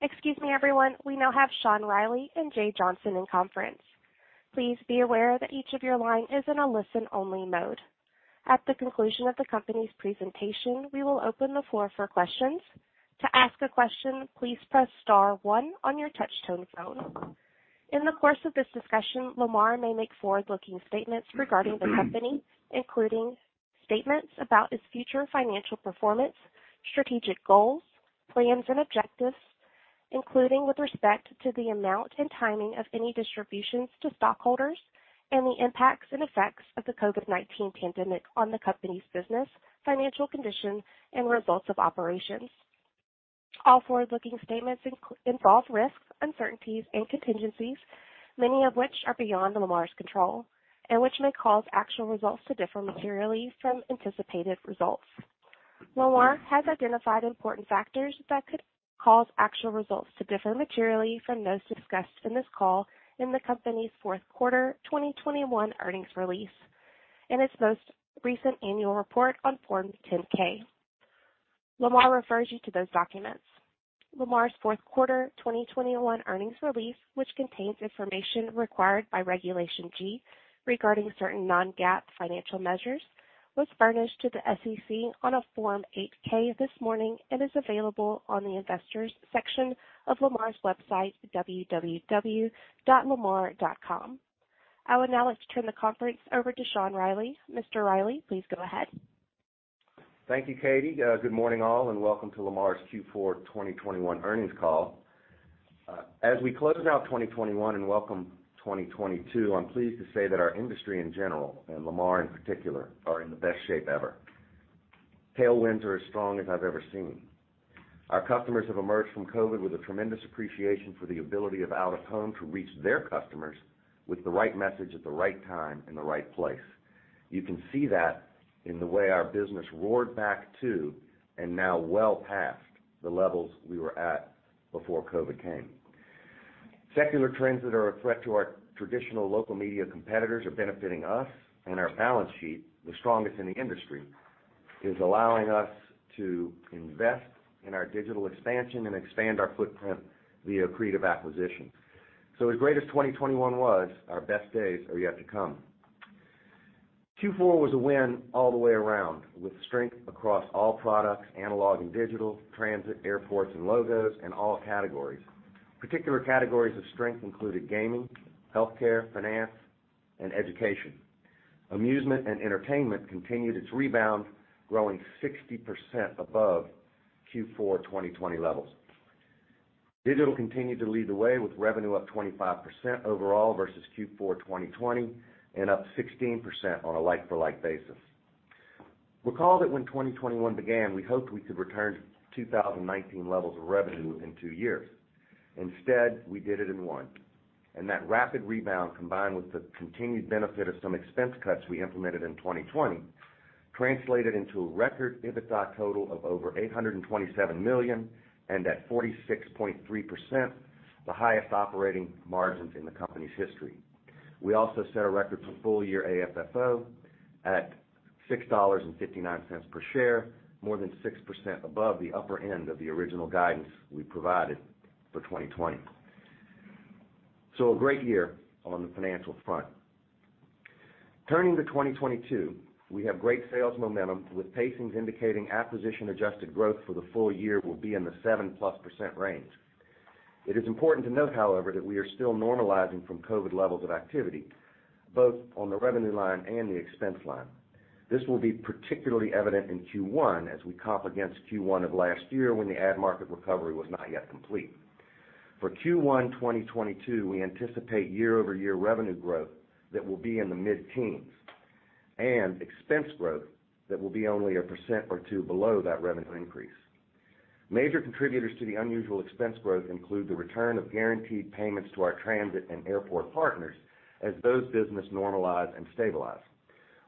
Excuse me, everyone. We now have Sean Reilly and Jay Johnson in conference. Please be aware that each of your line is in a listen-only mode. At the conclusion of the company's presentation, we will open the floor for questions. To ask a question, please press star one on your touch-tone phone. In the course of this discussion, Lamar may make forward-looking statements regarding the company, including statements about its future financial performance, strategic goals, plans, and objectives, including with respect to the amount and timing of any distributions to stockholders and the impacts and effects of the COVID-19 pandemic on the company's business, financial condition, and results of operations. All forward-looking statements involve risks, uncertainties, and contingencies, many of which are beyond Lamar's control and which may cause actual results to differ materially from anticipated results. Lamar has identified important factors that could cause actual results to differ materially from those discussed in this call in the company's fourth quarter 2021 earnings release and its most recent annual report on Form 10-K. Lamar refers you to those documents. Lamar's fourth quarter 2021 earnings release, which contains information required by Regulation G regarding certain Non-GAAP financial measures, was furnished to the SEC on a Form 8-K this morning and is available on the Investors section of Lamar's website, www.lamar.com. I would now like to turn the conference over to Sean Reilly. Mr. Reilly, please go ahead. Thank you, Katie. Good morning, all, and welcome to Lamar's Q4 2021 earnings call. As we close out 2021 and welcome 2022, I'm pleased to say that our industry in general, and Lamar in particular, are in the best shape ever. Tailwinds are as strong as I've ever seen. Our customers have emerged from COVID with a tremendous appreciation for the ability of out-of-home to reach their customers with the right message at the right time in the right place. You can see that in the way our business roared back to and now well past the levels we were at before COVID came. Secular trends that are a threat to our traditional local media competitors are benefiting us, and our balance sheet, the strongest in the industry, is allowing us to invest in our digital expansion and expand our footprint via accretive acquisitions. As great as 2021 was, our best days are yet to come. Q4 was a win all the way around, with strength across all products, analog and digital, transit, airports and logos, and all categories. Particular categories of strength included gaming, healthcare, finance, and education. Amusement and entertainment continued its rebound, growing 60% above Q4 2020 levels. Digital continued to lead the way, with revenue up 25% overall versus Q4 2020 and up 16% on a like-for-like basis. Recall that when 2021 began, we hoped we could return to 2019 levels of revenue within two years. Instead, we did it in one, and that rapid rebound, combined with the continued benefit of some expense cuts we implemented in 2020, translated into a record EBITDA total of over $827 million and at 46.3%, the highest operating margins in the company's history. We also set a record for full year AFFO at $6.59 per share, more than 6% above the upper end of the original guidance we provided for 2020. A great year on the financial front. Turning to 2022, we have great sales momentum with pacings indicating acquisition adjusted growth for the full year will be in the 7%+ range. It is important to note, however, that we are still normalizing from COVID levels of activity, both on the revenue line and the expense line. This will be particularly evident in Q1 as we comp against Q1 of last year when the ad market recovery was not yet complete. For Q1 2022, we anticipate year-over-year revenue growth that will be in the mid-teens% and expense growth that will be only 1% or 2% below that revenue increase. Major contributors to the unusual expense growth include the return of guaranteed payments to our transit and airport partners as those business normalize and stabilize.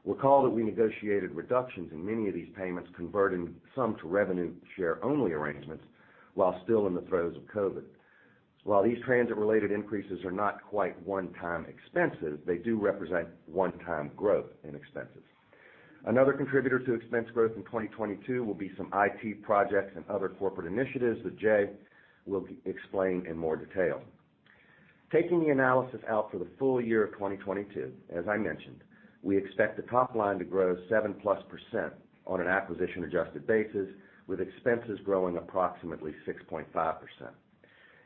Recall that we negotiated reductions in many of these payments, converting some to revenue share only arrangements while still in the throes of COVID. While these transit related increases are not quite one-time expenses, they do represent one-time growth in expenses. Another contributor to expense growth in 2022 will be some IT projects and other corporate initiatives that Jay will explain in more detail. Taking the analysis out for the full year of 2022, as I mentioned, we expect the top line to grow 7%+ on an acquisition adjusted basis, with expenses growing approximately 6.5%.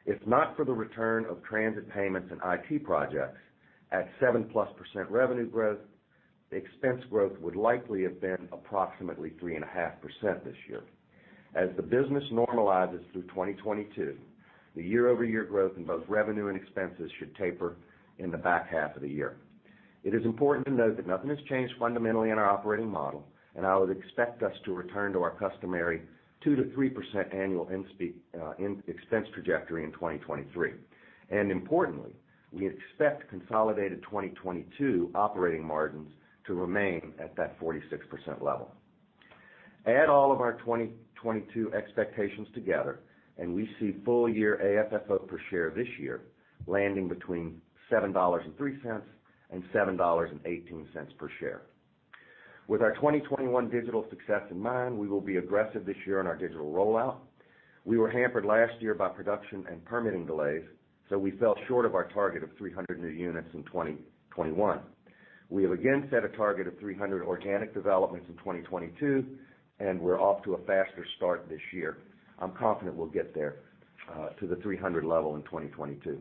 If not for the return of transit payments and IT projects at 7%+ revenue growth, expense growth would likely have been approximately 3.5% this year. As the business normalizes through 2022, the year-over-year growth in both revenue and expenses should taper in the back half of the year. It is important to note that nothing has changed fundamentally in our operating model, and I would expect us to return to our customary 2%-3% annual expense trajectory in 2023. Importantly, we expect consolidated 2022 operating margins to remain at that 46% level. Add all of our 2022 expectations together, and we see full year AFFO per share this year landing between $7.03 and $7.18 per share. With our 2021 digital success in mind, we will be aggressive this year in our digital rollout. We were hampered last year by production and permitting delays, so we fell short of our target of 300 new units in 2021. We have again set a target of 300 organic developments in 2022, and we're off to a faster start this year. I'm confident we'll get there, to the 300 level in 2022.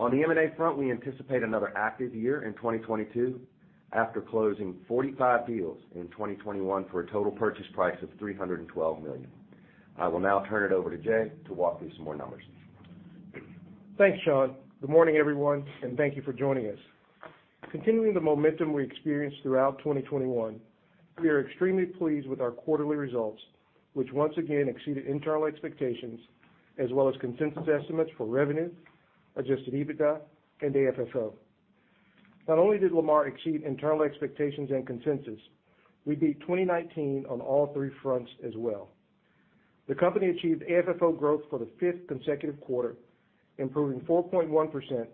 On the M&A front, we anticipate another active year in 2022 after closing 45 deals in 2021 for a total purchase price of $312 million. I will now turn it over to Jay to walk through some more numbers. Thanks, Sean. Good morning, everyone, and thank you for joining us. Continuing the momentum we experienced throughout 2021, we are extremely pleased with our quarterly results, which once again exceeded internal expectations as well as consensus estimates for revenue, adjusted EBITDA, and AFFO. Not only did Lamar exceed internal expectations and consensus, we beat 2019 on all three fronts as well. The company achieved AFFO growth for the fifth consecutive quarter, improving 4.1%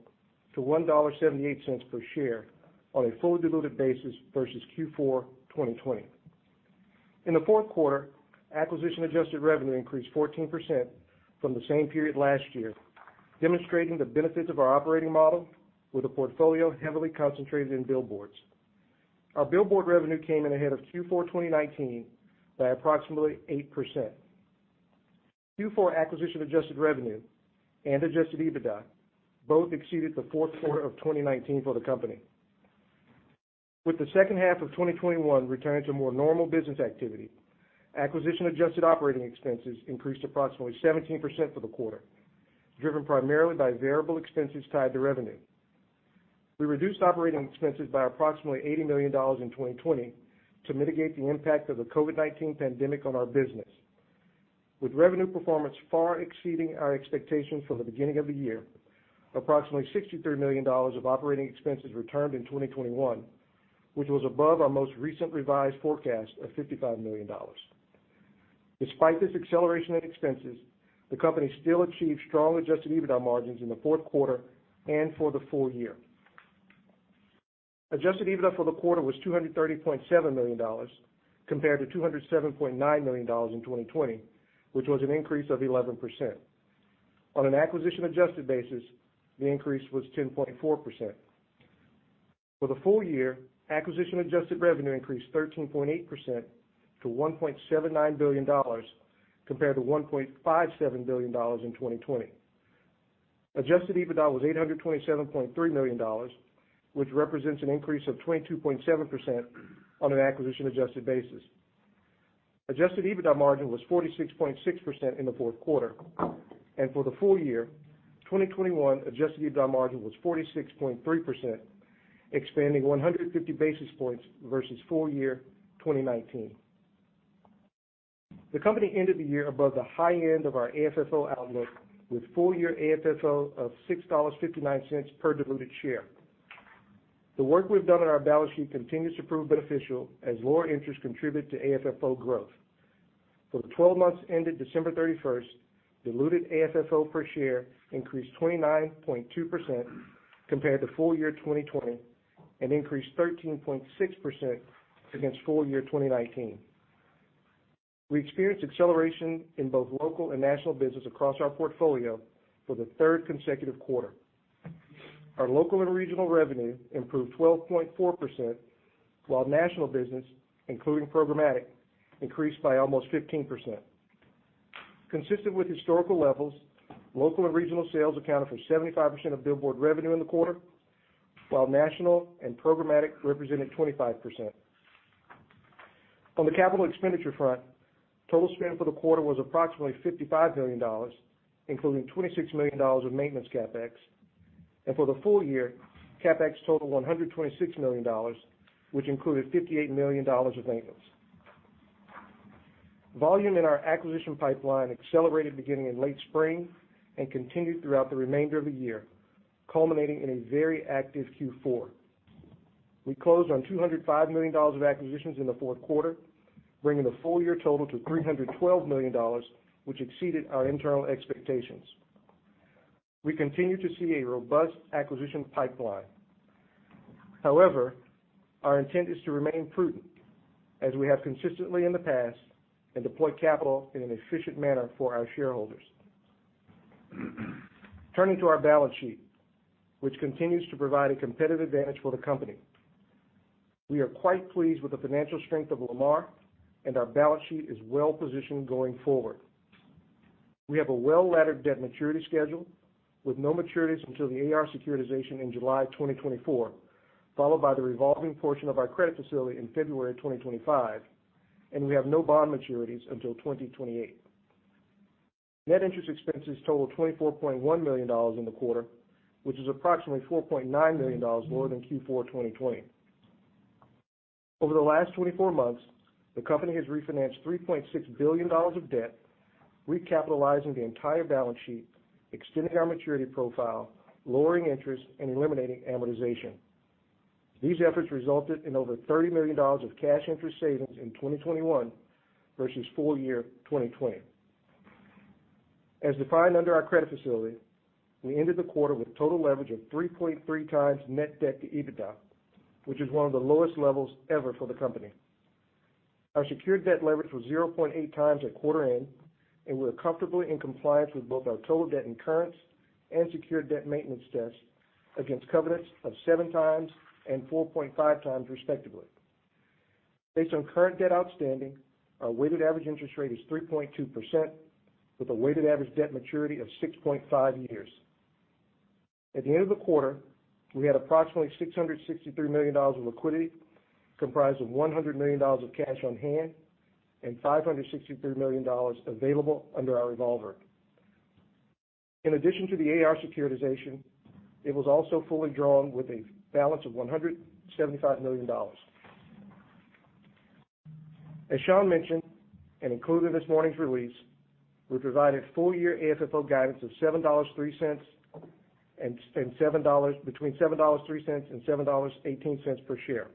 to $1.78 per share on a fully diluted basis versus Q4 2020. In the fourth quarter, acquisition adjusted revenue increased 14% from the same period last year, demonstrating the benefits of our operating model with a portfolio heavily concentrated in billboards. Our billboard revenue came in ahead of Q4 2019 by approximately 8%. Q4 acquisition adjusted revenue and adjusted EBITDA both exceeded the fourth quarter of 2019 for the company. With the second half of 2021 returning to more normal business activity, acquisition adjusted operating expenses increased approximately 17% for the quarter, driven primarily by variable expenses tied to revenue. We reduced operating expenses by approximately $80 million in 2020 to mitigate the impact of the COVID-19 pandemic on our business. With revenue performance far exceeding our expectations for the beginning of the year, approximately $63 million of operating expenses returned in 2021, which was above our most recent revised forecast of $55 million. Despite this acceleration in expenses, the company still achieved strong adjusted EBITDA margins in the fourth quarter and for the full year. Adjusted EBITDA for the quarter was $230.7 million compared to $207.9 million in 2020, which was an increase of 11%. On an acquisition adjusted basis, the increase was 10.4%. For the full year, acquisition adjusted revenue increased 13.8% to $1.79 billion compared to $1.57 billion in 2020. Adjusted EBITDA was $827.3 million, which represents an increase of 22.7% on an acquisition adjusted basis. Adjusted EBITDA margin was 46.6% in the fourth quarter. For the full year, 2021 adjusted EBITDA margin was 46.3%, expanding 150 basis points versus full year 2019. The company ended the year above the high end of our AFFO outlook with full year AFFO of $6.59 per diluted share. The work we've done on our balance sheet continues to prove beneficial as lower interest contribute to AFFO growth. For the 12 months ended December 31st, diluted AFFO per share increased 29.2% compared to full year 2020 and increased 13.6% against full year 2019. We experienced acceleration in both local and national business across our portfolio for the third consecutive quarter. Our local and regional revenue improved 12.4%, while national business, including programmatic, increased by almost 15%. Consistent with historical levels, local and regional sales accounted for 75% of billboard revenue in the quarter, while national and programmatic represented 25%. On the capital expenditure front, total spend for the quarter was approximately $55 million, including $26 million of maintenance CapEx. For the full year, CapEx totaled $126 million, which included $58 million of maintenance. Volume in our acquisition pipeline accelerated beginning in late spring and continued throughout the remainder of the year, culminating in a very active Q4. We closed on $205 million of acquisitions in the fourth quarter, bringing the full year total to $312 million, which exceeded our internal expectations. We continue to see a robust acquisition pipeline. However, our intent is to remain prudent as we have consistently in the past and deploy capital in an efficient manner for our shareholders. Turning to our balance sheet, which continues to provide a competitive advantage for the company. We are quite pleased with the financial strength of Lamar, and our balance sheet is well-positioned going forward. We have a well-laddered debt maturity schedule with no maturities until the AR securitization in July 2024, followed by the revolving portion of our credit facility in February 2025, and we have no bond maturities until 2028. Net interest expenses totaled $24.1 million in the quarter, which is approximately $4.9 million more than Q4 2020. Over the last 24 months, the company has refinanced $3.6 billion of debt, recapitalizing the entire balance sheet, extending our maturity profile, lowering interest, and eliminating amortization. These efforts resulted in over $30 million of cash interest savings in 2021 versus full year 2020. As defined under our credit facility, we ended the quarter with total leverage of 3.3x net debt to EBITDA, which is one of the lowest levels ever for the company. Our secured debt leverage was 0.8x at quarter end, and we're comfortably in compliance with both our total debt incurrence and secured debt maintenance tests against covenants of 7x and 4.5x, respectively. Based on current debt outstanding, our weighted average interest rate is 3.2%, with a weighted average debt maturity of 6.5 years. At the end of the quarter, we had approximately $663 million of liquidity, comprised of $100 million of cash on hand and $563 million available under our revolver. In addition to the AR securitization, it was also fully drawn with a balance of $175 million. As Sean mentioned, and included in this morning's release, we provided full-year AFFO guidance of between $7.03 and $7.18 per share.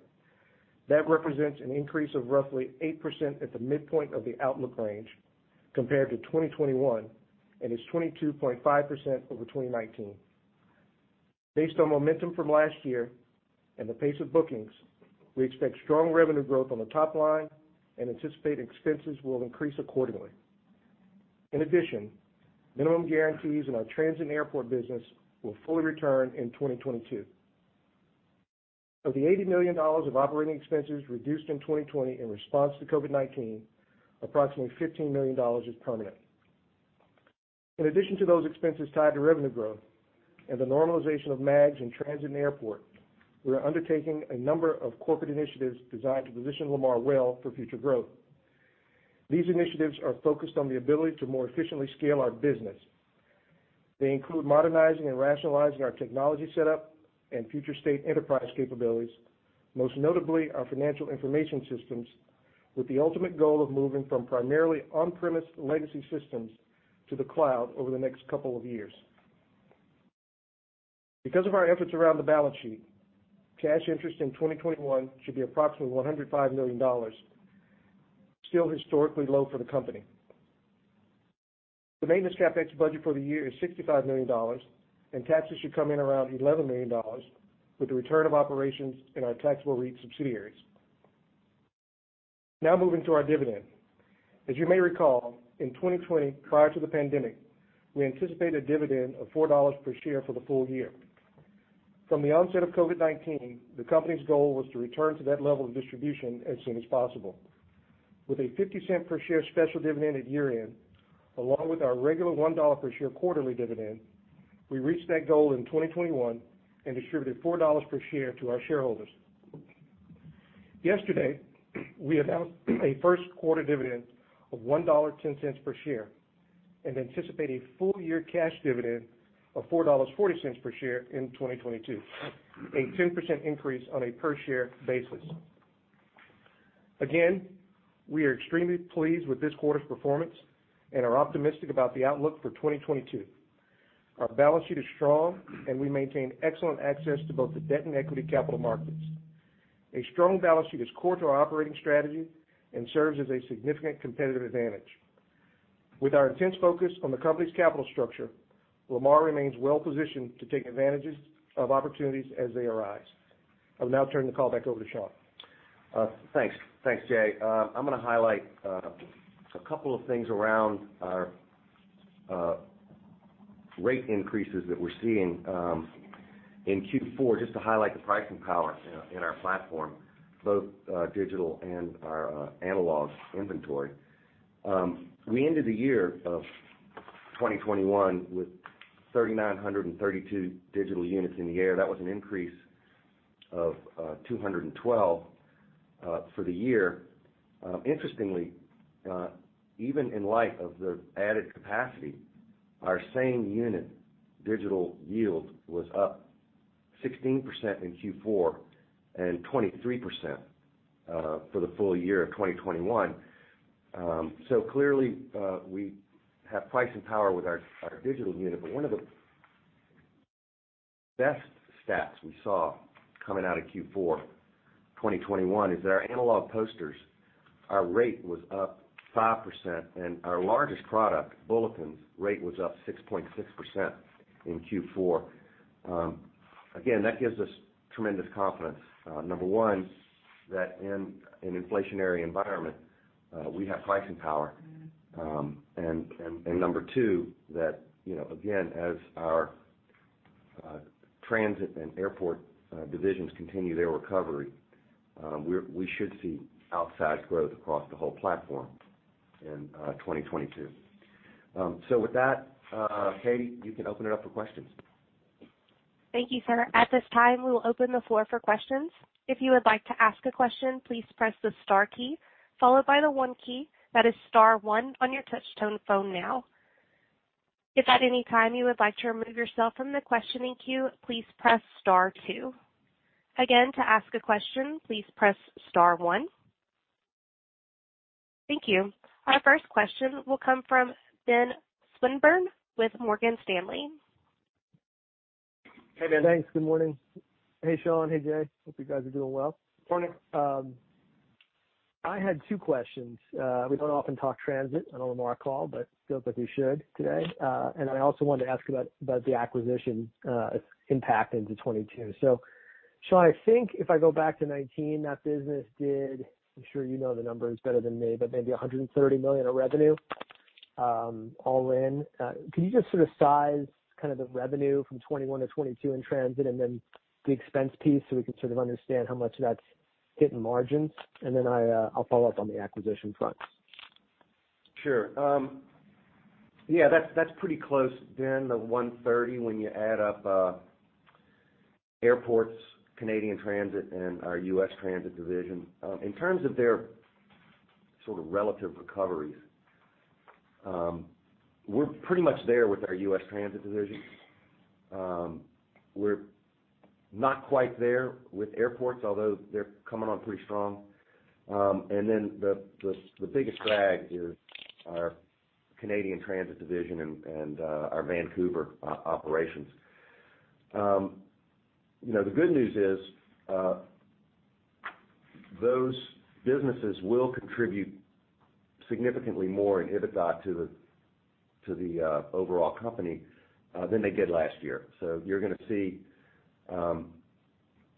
That represents an increase of roughly 8% at the midpoint of the outlook range compared to 2021 and is 22.5% over 2019. Based on momentum from last year and the pace of bookings, we expect strong revenue growth on the top line and anticipate expenses will increase accordingly. In addition, minimum guarantees in our transit and airport business will fully return in 2022. Of the $80 million of operating expenses reduced in 2020 in response to COVID-19, approximately $15 million is permanent. In addition to those expenses tied to revenue growth and the normalization of MAGS in transit and airport, we are undertaking a number of corporate initiatives designed to position Lamar well for future growth. These initiatives are focused on the ability to more efficiently scale our business. They include modernizing and rationalizing our technology setup and future state enterprise capabilities, most notably our financial information systems, with the ultimate goal of moving from primarily on-premise legacy systems to the cloud over the next couple of years. Because of our efforts around the balance sheet, cash interest in 2021 should be approximately $105 million, still historically low for the company. The maintenance CapEx budget for the year is $65 million, and taxes should come in around $11 million with the return of operations in our taxable REIT subsidiaries. Now moving to our dividend. As you may recall, in 2020, prior to the pandemic, we anticipated a dividend of $4 per share for the full year. From the onset of COVID-19, the company's goal was to return to that level of distribution as soon as possible. With a $0.50 per share special dividend at year-end, along with our regular $1 per share quarterly dividend, we reached that goal in 2021 and distributed $4 per share to our shareholders. Yesterday, we announced a first quarter dividend of $1.10 per share and anticipate a full-year cash dividend of $4.40 per share in 2022, a 10% increase on a per share basis. Again, we are extremely pleased with this quarter's performance and are optimistic about the outlook for 2022. Our balance sheet is strong, and we maintain excellent access to both the debt and equity capital markets. A strong balance sheet is core to our operating strategy and serves as a significant competitive advantage. With our intense focus on the company's capital structure, Lamar remains well positioned to take advantages of opportunities as they arise. I'll now turn the call back over to Sean. Thanks. Thanks, Jay. I'm gonna highlight a couple of things around our rate increases that we're seeing in Q4, just to highlight the pricing power in our platform, both digital and our analog inventory. We ended the year of 2021 with 3,932 digital units in the air. That was an increase of 212 for the year. Interestingly, even in light of the added capacity, our same unit digital yield was up 16% in Q4 and 23% for the full year of 2021. So clearly, we have pricing power with our digital unit. One of the best stats we saw coming out of Q4 2021 is that our analog posters, our rate was up 5%, and our largest product, bulletins, rate was up 6.6% in Q4. Again, that gives us tremendous confidence, number one, that in an inflationary environment, we have pricing power. And number two, that, you know, again, as our transit and airport divisions continue their recovery, we should see outsized growth across the whole platform in 2022. With that, Katie, you can open it up for questions. Our first question will come from Ben Swinburne with Morgan Stanley. Hey, Ben. Thanks. Good morning. Hey, Sean. Hey, Jay. Hope you guys are doing well. Morning. I had two questions. We don't often talk transit on a Lamar call, but feels like we should today. I also wanted to ask about the acquisition impact into 2022. Sean, I think if I go back to 2019, I'm sure you know the numbers better than me, but maybe $130 million of revenue, all in. Can you just sort of size kind of the revenue from 2021 to 2022 in transit, and then the expense piece, so we can sort of understand how much that's hitting margins? Then I'll follow up on the acquisition front. Sure. Yeah, that's pretty close, Ben, the 130% when you add up airports, Canadian transit, and our U.S. transit division. In terms of their sort of relative recoveries, we're pretty much there with our U.S. transit division. We're not quite there with airports, although they're coming on pretty strong. And then the biggest drag is our Canadian transit division and our Vancouver operations. You know, the good news is those businesses will contribute significantly more in EBITDA to the overall company than they did last year. You're gonna see,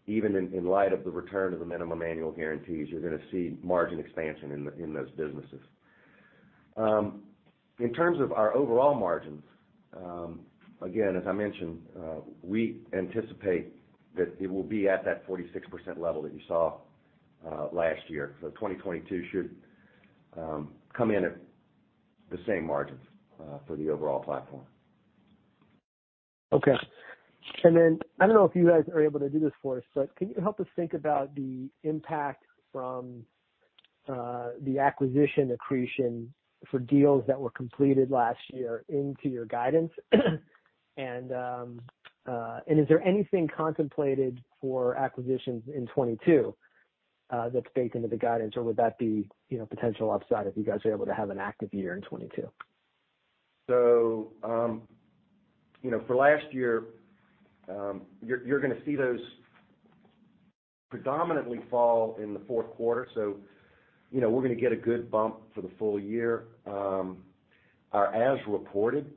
even in light of the return of the minimum annual guarantees, you're gonna see margin expansion in those businesses. In terms of our overall margins, again, as I mentioned, we anticipate that it will be at that 46% level that you saw last year. 2022 should come in at the same margins for the overall platform. Okay. I don't know if you guys are able to do this for us, but can you help us think about the impact from the acquisition accretion for deals that were completed last year into your guidance? And is there anything contemplated for acquisitions in 2022 that's baked into the guidance, or would that be, you know, potential upside if you guys are able to have an active year in 2022? You know, for last year, you're gonna see those predominantly fall in the fourth quarter. You know, we're gonna get a good bump for the full year. Our as reported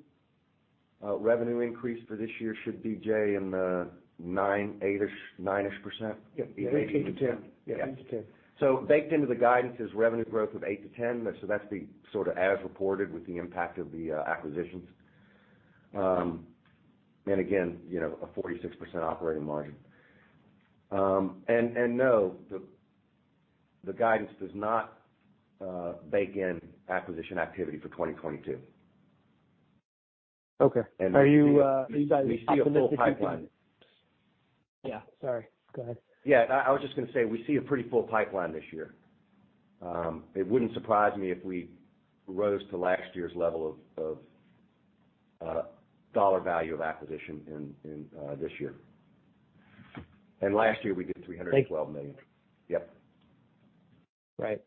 revenue increase for this year should be, Jay, in the 9%, 8-ish%, 9-ish%. Yep. 8%-10%. Yeah. 8%-10%. Baked into the guidance is revenue growth of 8%-10%. That's the sort of as reported with the impact of the acquisitions. Again, you know, a 46% operating margin. No, the guidance does not bake in acquisition activity for 2022. Okay. We see Are you guys optimistic you can- We see a full pipeline. Yeah. Sorry. Go ahead. Yeah. I was just gonna say, we see a pretty full pipeline this year. It wouldn't surprise me if we rose to last year's level of dollar value of acquisition in this year. Last year, we did $312 million. Thank you. Yep. Right.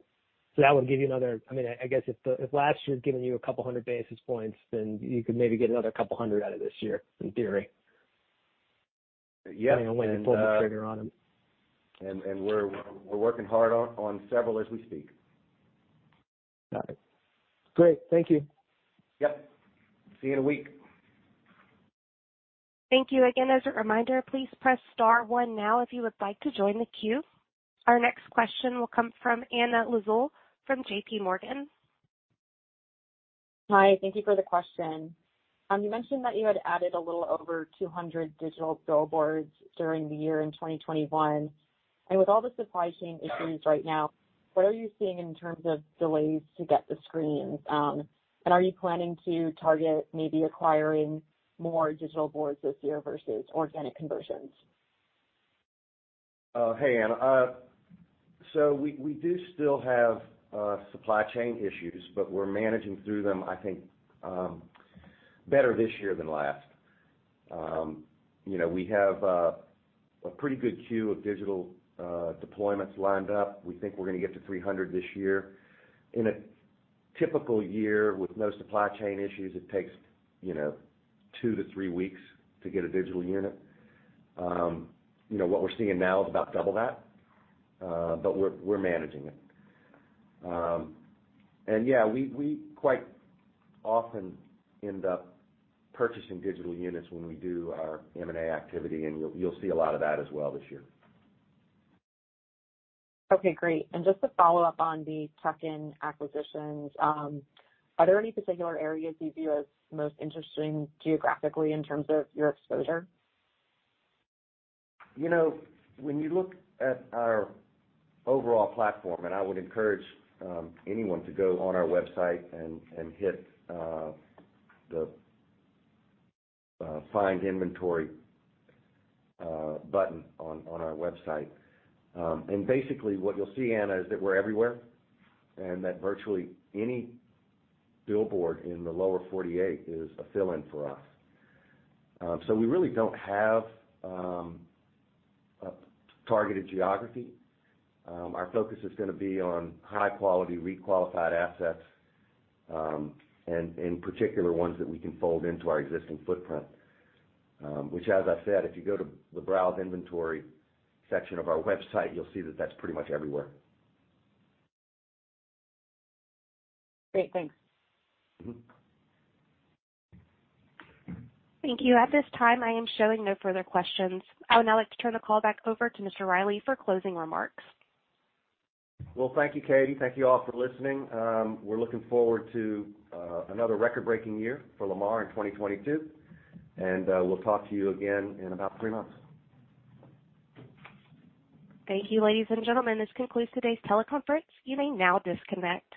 That would give you another, I mean, I guess if last year's given you a couple hundred basis points, then you could maybe get another couple hundred out of this year, in theory. Yeah. Depending on when you pull the trigger on them. We're working hard on several as we speak. Got it. Great. Thank you. Yep. See you in a week. Thank you. Again, as a reminder, please press star one now if you would like to join the queue. Our next question will come from Anna Lizzul from JPMorgan. Hi. Thank you for the question. You mentioned that you had added a little over 200 digital billboards during the year in 2021. With all the supply chain issues right now, what are you seeing in terms of delays to get the screens? Are you planning to target maybe acquiring more digital boards this year versus organic conversions? Hey, Anna. We do still have supply chain issues, but we're managing through them, I think, better this year than last. You know, we have a pretty good queue of digital deployments lined up. We think we're gonna get to 300 digital billboards this year. In a typical year with no supply chain issues, it takes, you know, two weeks to three weeks to get a digital unit. You know, what we're seeing now is about double that, but we're managing it. And yeah, we quite often end up purchasing digital units when we do our M&A activity, and you'll see a lot of that as well this year. Okay. Great. Just to follow up on the tuck-in acquisitions, are there any particular areas you view as most interesting geographically in terms of your exposure? You know, when you look at our overall platform, and I would encourage anyone to go on our website and hit the Find Inventory button on our website. Basically what you'll see, Anna, is that we're everywhere, and that virtually any billboard in the lower 48 U.S. states is a fill-in for us. We really don't have a targeted geography. Our focus is gonna be on high quality, requalified assets, and in particular, ones that we can fold into our existing footprint. Which as I said, if you go to the Browse Inventory section of our website, you'll see that that's pretty much everywhere. Great. Thanks. Mm-hmm. Thank you. At this time, I am showing no further questions. I would now like to turn the call back over to Mr. Reilly for closing remarks. Well, thank you, Katie. Thank you all for listening. We're looking forward to another record-breaking year for Lamar in 2022, and we'll talk to you again in about three months. Thank you, ladies and gentlemen. This concludes today's teleconference. You may now disconnect.